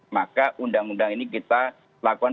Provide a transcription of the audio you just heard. maka undang undang ini kita lakukan